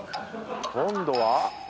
今度は。